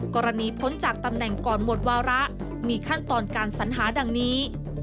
พ้นจากตำแหน่งก่อนหมดวาระมีขั้นตอนการสัญหาดังนี้